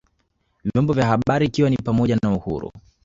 vyombo vya habari ikiwa ni pamoja na uhuru